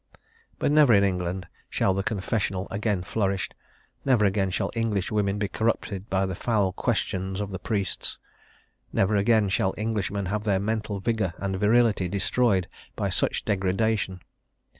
But never in England shall the confessional again flourish; never again shall English women be corrupted by the foul questions of the priests; never again shall Englishmen have their mental vigour and virility destroyed by such degradation.